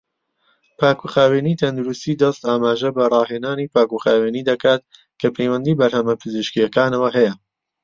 پاکوخاوێنی تەندروستی دەست ئاماژە بە ڕاهێنانی پاکوخاوێنی دەکات کە پەیوەندی بەرهەمە پزیشکیەکانەوە هەیە.